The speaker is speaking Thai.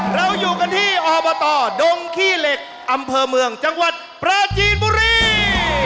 เราอยู่กันที่อบตดงขี้เหล็กอำเภอเมืองจังหวัดปราจีนบุรี